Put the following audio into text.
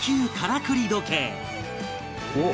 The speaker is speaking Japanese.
おっ！